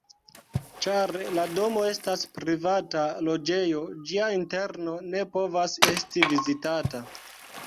Ĉar la domo estas privata loĝejo, ĝia interno ne povas esti vizitata.